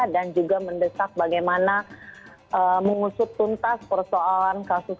dan juga mendesak bagaimana mengusut tuntas persoalan